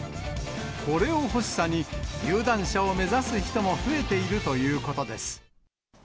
これを欲しさに、有段者を目指す人も増えているということです。